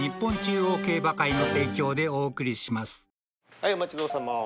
はいお待ち遠さま。